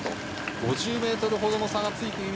５０ｍほどの差がついている。